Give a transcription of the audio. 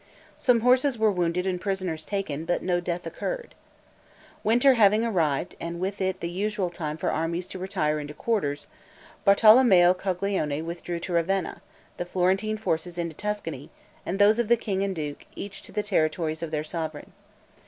Some horses were wounded and prisoners taken, but no death occurred. Winter having arrived, and with it the usual time for armies to retire into quarters, Bartolommeo Coglione withdrew to Ravenna, the Florentine forces into Tuscany, and those of the king and duke, each to the territories of their sovereign.